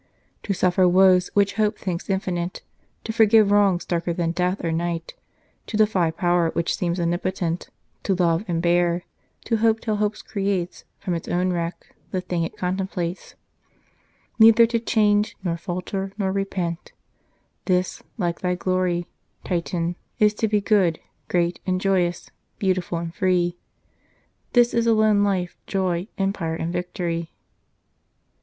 " To suffer woes which Hope thinks infinite ; To forgive wrongs darker than death or night ; To defy Power which seems omnipotent ; To love and bear ; to hope till Hope creates From its own wreck the thing it contemplates ; Neither to change, nor falter, nor repent : This, like thy glory, Titan, is to be Good, great and joyous, beautiful and free, This is alone Life, Joy, Empire, and Victory."